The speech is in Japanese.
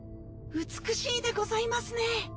美しいでございますね。